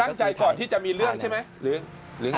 คือตั้งใจก่อนที่จะมีเรื่องใช่ไหม